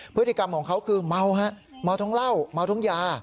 พฤติกรรมของเขาคือเมาฮะเมาทั้งเหล้าเมาทั้งยา